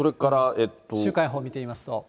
週間予報見てみますと。